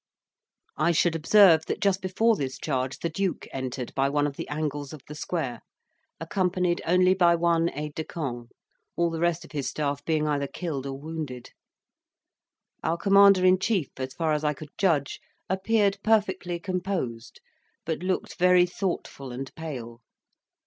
I should observe that just before this charge the duke entered by one of the angles of the square, accompanied only by one aide de camp; all the rest of his staff being either killed or wounded. Our commander in chief, as far as I could judge, appeared perfectly composed; but looked very thoughtful and pale.